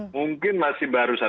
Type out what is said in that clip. mungkin masih baru saja